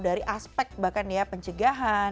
dari aspek bahkan ya pencegahan